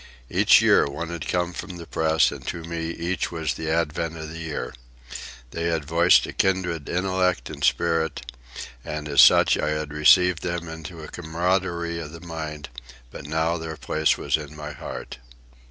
Each year one had come from the press, and to me each was the advent of the year. They had voiced a kindred intellect and spirit, and as such I had received them into a camaraderie of the mind; but now their place was in my heart.